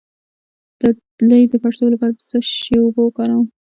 د لۍ د پړسوب لپاره د څه شي اوبه وکاروم؟